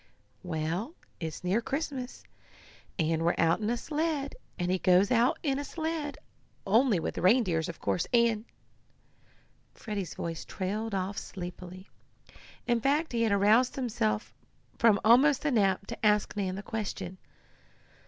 "Well, it's near Christmas, and we're out in a sled, and he goes out in a sled, only with reindeers of course, and " Freddie's voice trailed off sleepily. In fact he had aroused himself from almost a nap to ask Nan the question.